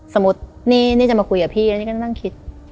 สมมุตินี่จะมาคุยกับพี่แล้วนี่ก็นั่งคิด